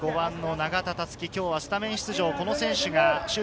永田樹、今日はスタメン出場。